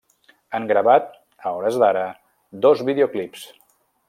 Han gravat, a hores d'ara, dos videoclips.